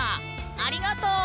ありがとう。